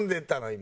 今。